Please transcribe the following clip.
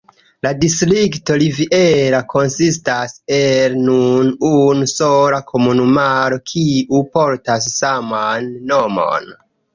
La distrikto Riviera konsistas el nur unu sola komunumaro, kiu portas saman nomon.